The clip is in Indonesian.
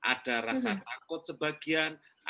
ada rasa takut sebagian dari stress